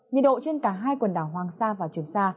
nhiệt độ trên cả hai quần đảo hoàng sa và trường sa